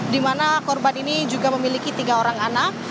di mana korban ini juga memiliki tiga orang anak